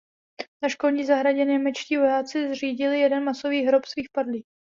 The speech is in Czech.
Na školní zahradě němečtí vojáci zřídili jeden masový hrob svých padlých.